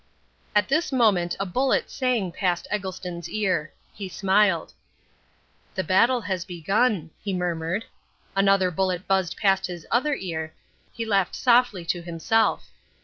At this moment a bullet sang past Eggleston's ear. He smiled. "The battle has begun," he murmured. Another bullet buzzed past his other ear. He laughed softly to himself.